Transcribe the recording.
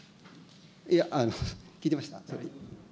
いや、聞いてました、総理。